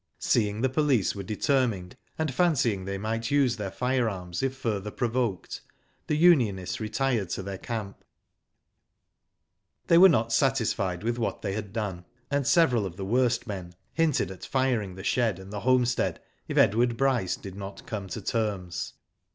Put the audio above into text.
Seeing the police were determined, and fancy ing they might use their firearms if further pro voked, the unionists retired to their camp. They were not satisfied with what they had done, and several of the worst men hinted at firing the shed and the homestead if Edward Bryce did not come to terms.